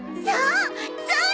そう！